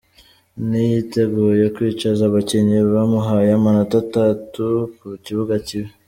Ntiyiteguye kwicaza abakinnyi bamuhaye amanota atatu ku kibuga kibi .